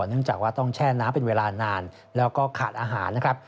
เนื่องจากว่าต้องแช่น้ำเป็นเวลานานแล้วก็ขาดอาหารนะครับ